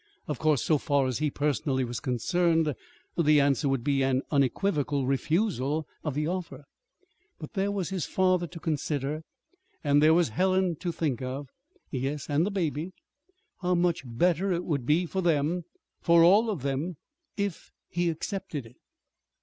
Of course, so far as he, personally, was concerned, the answer would be an unequivocal refusal of the offer. But there was his father to consider, and there was Helen to think of; yes, and the baby. How much better it would be for them for all of them, if he accepted it!